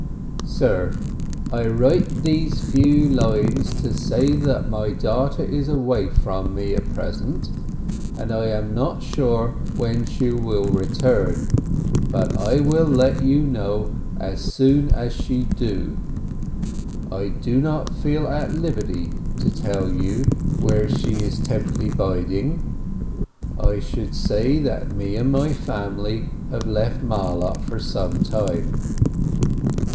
Sir, J write these few lines to say that my Daughter is away from me at present, and J am not sure when she will return, but J will let you know as Soon as she do. J do not feel at liberty to tell you Where she is temperly biding. J should say that me and my Family have left Marlott for some Time.